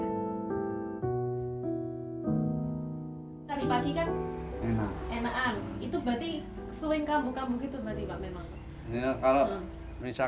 tadi pagi kan enakan itu berarti seling kamu kamu gitu berarti pak